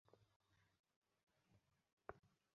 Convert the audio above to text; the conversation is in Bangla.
আদেশ অমান্য করেছিস।